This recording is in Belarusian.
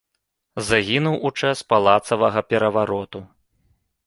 Загінуў у час палацавага перавароту.